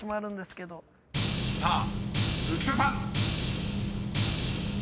［さあ浮所さん］